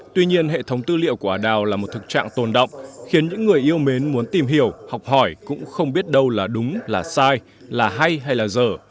tuy nhiên hệ thống tư liệu của ả đào là một thực trạng tồn động khiến những người yêu mến muốn tìm hiểu học hỏi cũng không biết đâu là đúng là sai là hay hay là dở